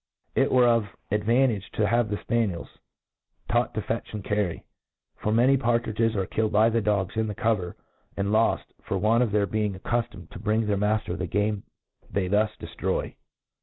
It were of advantage to have the fpanicis taught to fetch and cirry j for, many partridges are killed by the dogs in the co* ver j and loft, for Want of their being accuftomed , to bring their mafter the game they thu« deftroy.